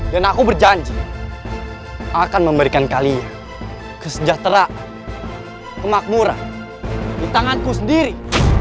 dan aku berjanji akan memberikan kalian kesejahteraan kemakmuran di tanganku sendiri